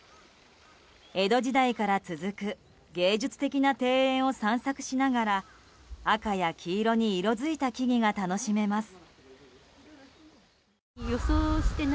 江戸時代から続く芸術的な庭園を散策しながら赤や黄色に色づいた木々が楽しめます。